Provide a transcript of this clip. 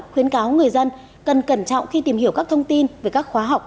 khuyến cáo người dân cần cẩn trọng khi tìm hiểu các thông tin về các khóa học